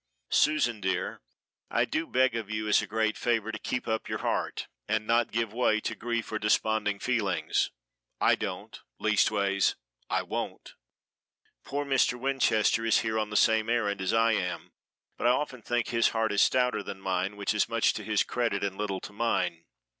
"Susan dear, I do beg of you as a great favor to keep up your heart, and not give way to grief or desponding feelings. I don't; leastways I won't. Poor Mr. Winchester is here on the same errand as I am. But I often think his heart is stouter than mine, which is much to his credit and little to mine.